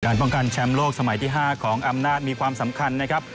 ป้องกันแชมป์โลกสมัยที่๕ของอำนาจมีความสำคัญนะครับ